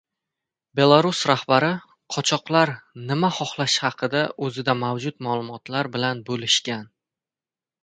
Belarus rahbari “qochoqlar” nima xohlashi haqida o‘zida mavjud ma’lumotlar bilan bo‘lishgan